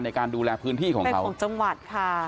ในการดูแลพื้นที่ของเขา๖จังหวัดค่ะ